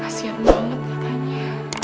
kasian banget katanya